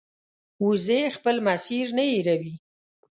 وزې خپل مسیر نه هېروي